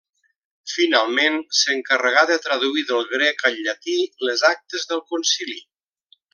Finalment, s'encarregà de traduir del grec al llatí les actes del concili.